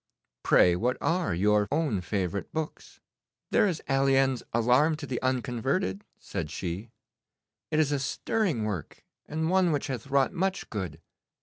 Pray, what are your own favourite books?' 'There is Alleine's "Alarm to the Unconverted,"' said she. 'It is a stirring work, and one which hath wrought much good.